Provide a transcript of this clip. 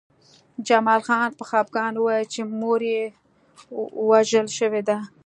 جمال خان په خپګان وویل چې مور یې وژل شوې ده